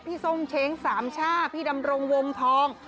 ส้มเช้งสามช่าพี่ดำรงวงทอง